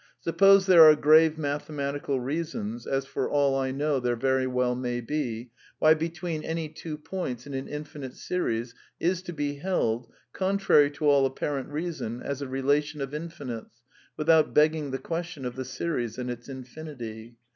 Suppose there are grave mathematical reasons (as for all I know there very well may be) why " between any two points " in an infinite series is to be held, contrary to all apparent reason, as a relation of infinites, without begging the question of the series and its infinity.